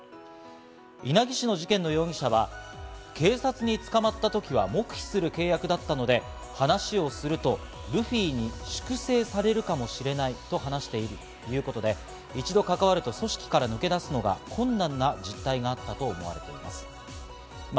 稲城市の事件の容疑者は、警察に捕まった時は黙秘する契約だったので、話をするとルフィに粛清されるかもしれないと話しているということで、一度関わると組織から抜け出すのが困難な実態があったと思われます。